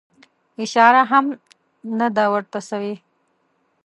اشاره هم نه ده ورته سوې.